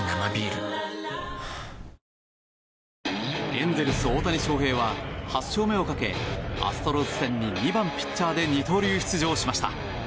エンゼルス、大谷翔平は８勝目をかけアストロズ戦に２番ピッチャーで二刀流出場しました。